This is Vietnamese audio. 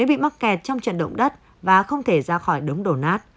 bị mắc kẹt trong trận động đất và không thể ra khỏi đống đổ nát